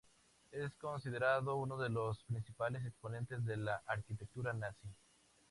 Es considerado uno de los principales exponentes de la Arquitectura nazi.